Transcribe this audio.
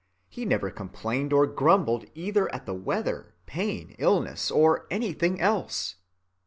He never complained or grumbled either at the weather, pain, illness, or anything else.